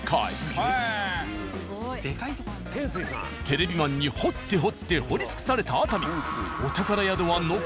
テレビマンに掘って掘って掘り尽くされた熱海。